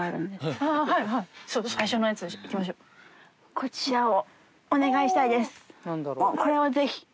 こちらをお願いしたいです。